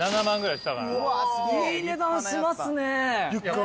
いい値段しますね。